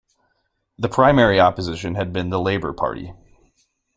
The primary opposition had been the Labour Party.